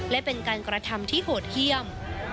และเป็นการกระทำที่โหดเยี่ยม